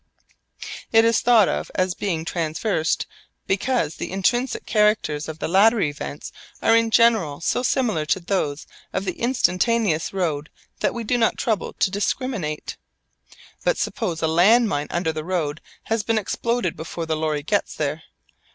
It is thought of as being traversed because the intrinsic characters of the later events are in general so similar to those of the instantaneous road that we do not trouble to discriminate. But suppose a land mine under the road has been exploded before the lorry gets there.